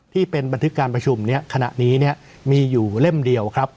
ที่เป็นบันทึกการประชุมขณะนี้มีอยู่เล่มเดียวครับ